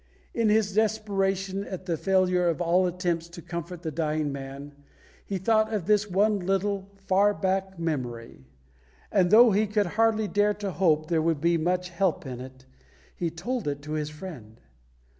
In his desperation at the failure of all attempts to comfort the dying man, he thought of this one little, far back memory; and though he could hardly dare to hope there would be much help in it, he told it to his friend.